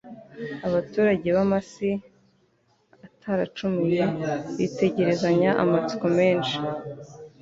Abaturage b'amasi ataracumuye bitegerezanyaga amatsiko menshi